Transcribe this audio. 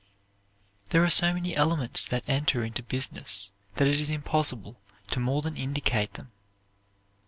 There are so many elements that enter into business that it is impossible to more than indicate them.